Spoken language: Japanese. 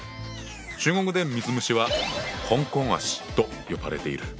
中国で「水虫」はと呼ばれている。